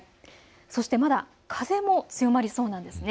そしてまだ風も強まりそうです。